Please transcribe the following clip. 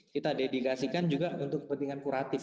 kita dedikasikan juga untuk kepentingan kuratif